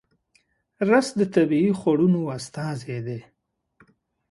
رس د طبیعي خوړنو استازی دی